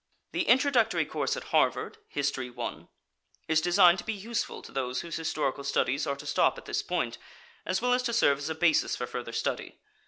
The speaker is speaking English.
The introductory course at Harvard, History 1, is designed to be useful to those whose historical studies are to stop at this point, as well as to serve as a basis for further study.